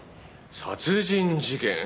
殺人事件？